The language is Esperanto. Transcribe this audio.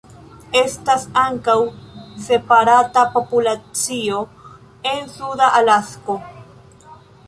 Estas ankaŭ separata populacio en Suda Alasko.